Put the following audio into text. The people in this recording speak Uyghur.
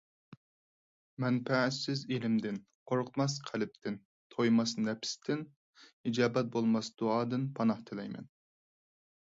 مەنپەئەتسىز ئىلىمدىن، قورقماس قەلبتىن، تويماس نەپستىن، ئىجابەت بولماس دۇئادىن پاناھ تىلەيمەن.